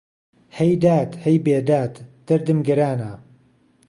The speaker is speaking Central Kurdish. ههی داد ههی بێداد، دهردم گرانه